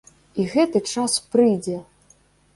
І гэты час прыйдзе!